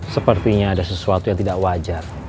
sepertinya ada sesuatu yang tidak wajar